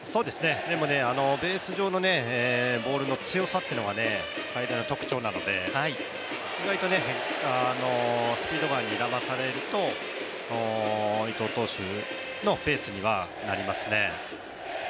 でもベース上のボールの強さっていうのが最大の特徴なので、意外とスピードガンにだまされると、伊藤投手のペースにはなりますね。